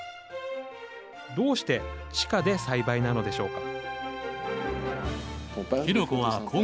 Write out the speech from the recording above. どうして地下で栽培なのでしょうか？